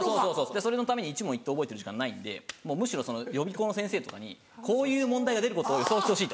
それのために一問一答覚えてる時間ないんでむしろ予備校の先生とかにこういう問題が出ることを予想してほしいと。